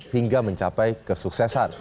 hingga mencapai kesuksesan